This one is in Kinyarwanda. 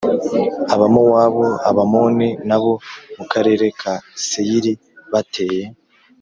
Abamowabu Abamoni n abo mu karere ka Seyiri bateye